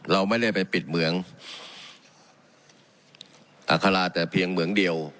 เราไม่ได้ไปปิดเหมืองอัคราแต่เพียงเหมืองเดียว